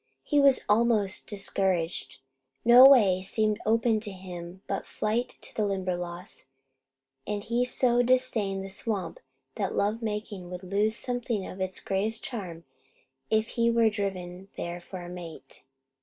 He was almost discouraged. No way seemed open to him but flight to the Limberlost, and he so disdained the swamp that love making would lose something of its greatest charm if he were driven there for a mate.